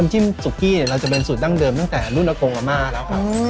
น้ำจิ้มซุกกี้เนี้ยเราจะเป็นสูตรดั้งเดิมตั้งแต่รุ่นละโกงอามาแล้วค่ะอืม